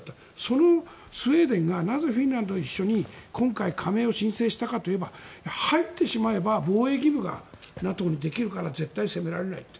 そのスウェーデンがなぜフィンランドと一緒に今回、加盟を申請したかというと入ってしまえば防衛義務がＮＡＴＯにできるから絶対攻められないと。